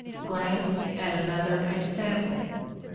Glance at another ex ample.